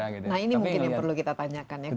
nah ini mungkin yang perlu kita tanyakan ya